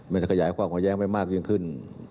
มันกระยายความขวางแย้งไม่มากยังขึ้น